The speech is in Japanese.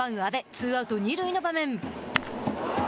ツーアウト、二塁の場面。